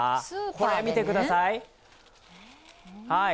これを見てください。